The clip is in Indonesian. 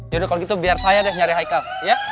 yaudah kalau gitu biar saya deh nyari haikal ya